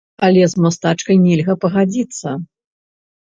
Але з мастачкай нельга пагадзіцца.